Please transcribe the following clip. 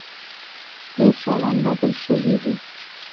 ډېر شيان بدل سوي وو.